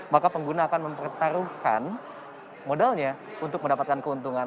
maka pengguna akan mempertaruhkan modalnya untuk mendapatkan keuntungan